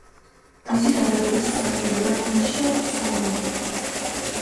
მისი დაბადების სახელია მიშელ სანდოვალი.